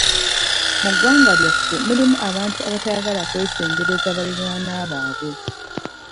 Mu ggwanga lyaffe mulimu abantu abatayagala kwesembereza baliraanwa baabwe.